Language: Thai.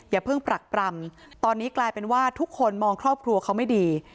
อย่าเพิ่งปรักปรำตอนนี้กลายเป็นว่าทุกคนมองครอบครัวเขาไม่ดี